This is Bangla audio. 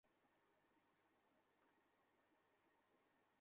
তুই বুঝতে পারছিস না?